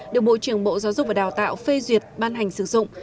được bộ trưởng bộ giáo dục và đào tạo phê duyệt ban hành sử dụng